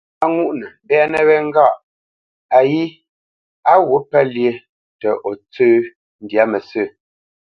Á ghwûʼnə mbɛ́nə́ wê ŋgâʼ:‹‹ayí ó ghwût pə́ lyé tə ntsə́ ndyâ mə sə̂?